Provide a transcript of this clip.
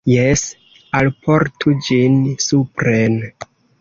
Jes, alportu ĝin supren.